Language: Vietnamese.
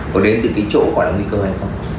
có đến từ cái chỗ có nguy cơ hay không